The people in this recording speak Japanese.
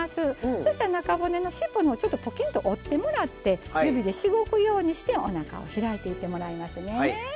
そしたら中骨の尻尾のほうちょっとポキンと折ってもらって指でしごくようにしておなかを開いていってもらいますね。